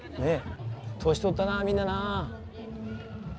年取ったなぁみんななぁ。